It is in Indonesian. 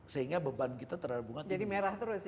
sehingga beban kita terhadap bunga jadi merah terus